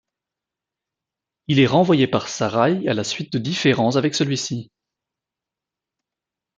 Il est renvoyé par Sarrail à la suite de différends avec celui-ci.